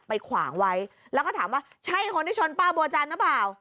ขวางไว้แล้วก็ถามว่าใช่คนที่ชนป้าบัวจันทร์หรือเปล่า